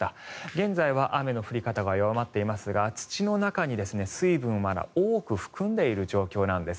現在は雨の降り方は弱まっていますが土の中に水分をまだ多く含んでいる状況なんです。